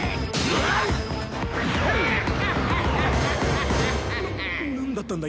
な何だったんだ？